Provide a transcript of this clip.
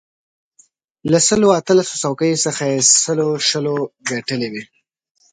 له سلو اتلسو څوکیو څخه یې سلو شلو ګټلې وې.